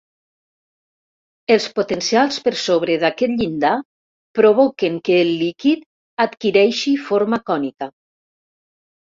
Els potencials per sobre d'aquest llindar, provoquen que el líquid adquireixi forma cònica.